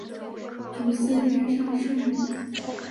主祀天上圣母。